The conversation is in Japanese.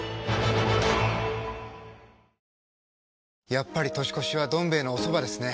やっぱり年越しは「どん兵衛」のおそばですね。